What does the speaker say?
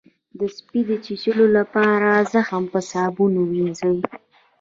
د سپي د چیچلو لپاره زخم په صابون ووینځئ